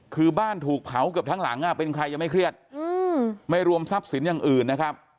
คือบ้านถูกเผาเกือบทั้งหลังเป็นใครยังไม่เครียดไม่รวมทรัพย์สินอย่างอื่นนะครับ